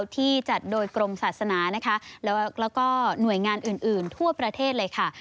ที่จัดโดยกรมศาสนานะคะแล้วก็หน่วยงานอื่นทั่วประเทศเลยค่ะ